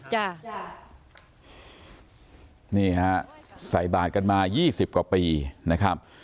ใช่ไหมครับจ้านี่ฮะใส่บาดกันมายี่สิบกว่าปีนะครับ